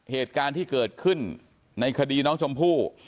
เหตุการณ์ที่เกิดขึ้นในคดีน้องชมพู่